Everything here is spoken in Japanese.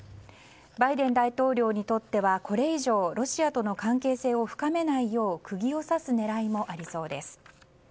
バイデン大統領にとってはこれ以上ロシアとの関係性を深めないよう釘を刺す狙いもありそうです。